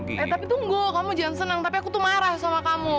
eh tapi tunggu kamu jangan senang tapi aku tuh marah sama kamu